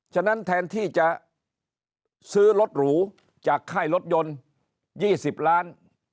ฉะนั้นแทนที่จะซื้อรถหรูจากค่ายรถยนต์๒๐ล้าน